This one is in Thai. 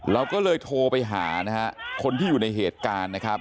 เราก็เลยโทรไปหาคนที่อยู่ในเหตุการณ์